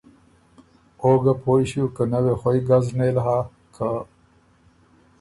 او ګه پویٛ ݭیوک که نۀ وې خوئ ګز نېل هۀ که